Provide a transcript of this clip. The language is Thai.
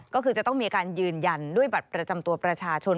ก็คือจะต้องมีการยืนยันด้วยบัตรประจำตัวประชาชน